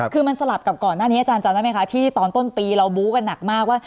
คือมันสลับกับก่อนหน้านี้อาจารย์จำได้ไหมคะที่ตอนต้นปีเราบู้กันหนักมากว่า